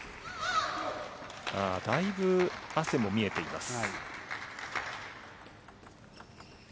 だいぶ汗も見えています。